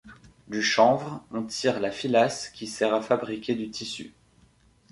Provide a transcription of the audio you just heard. Du chanvre, on tire la filasse qui sert à fabriquer du tissu.